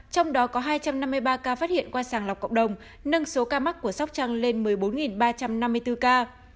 trong đó có hai trăm năm mươi ba ca phát hiện qua sàng lọc cộng đồng nâng số ca mắc của sóc trăng lên một mươi bốn ba trăm năm mươi bốn ca